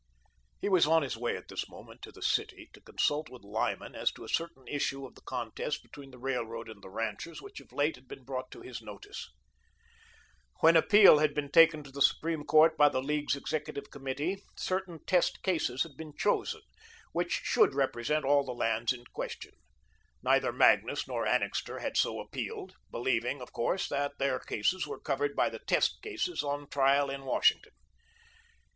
He was on his way at this moment to the city to consult with Lyman as to a certain issue of the contest between the Railroad and the ranchers, which, of late, had been brought to his notice. When appeal had been taken to the Supreme Court by the League's Executive Committee, certain test cases had been chosen, which should represent all the lands in question. Neither Magnus nor Annixter had so appealed, believing, of course, that their cases were covered by the test cases on trial at Washington.